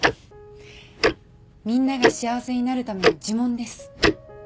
みんなが幸せになるための呪文です